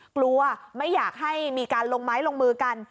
กลัวไม่อยากให้มีการลงไม้ลงมือกัน